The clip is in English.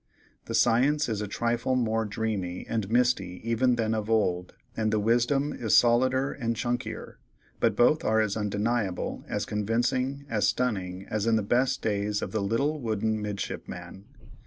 The science is a trifle more dreamy and misty even than of old, and the wisdom is solider and chunkier, but both are as undeniable, as convincing, as "stunning," as in the best days of the Little Wooden Midshipman.